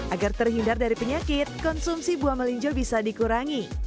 agar terhindar dari penyakit konsumsi buah melinjo bisa dikurangi